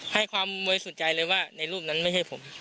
ให้ความบริสุทธิ์ใจเลยว่าในรูปนั้นไม่ใช่ผม